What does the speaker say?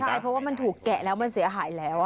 ใช่เพราะว่ามันถูกแกะแล้วมันเสียหายแล้ว